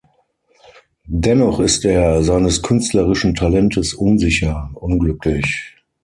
Dennoch ist er, seines künstlerischen Talentes unsicher, unglücklich.